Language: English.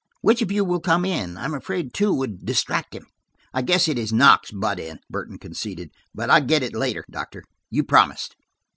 Which of you will come in? I'm afraid two would distract him." "I guess it is Knox's butt in," Burton conceded, "but I get it later, Doctor; you promised."